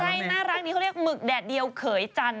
ใช่น่ารักนี้เขาเรียกหมึกแดดเดียวเขยจันท